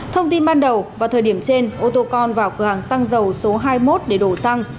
thông tin ban đầu vào thời điểm trên ô tô con vào cửa hàng xăng dầu số hai mươi một để đổ xăng